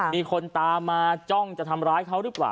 มีคนตามมาจ้องจะทำร้ายเขาหรือเปล่า